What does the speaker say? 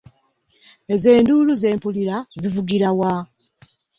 Ezo enduulu ze mpulira zivugira wa?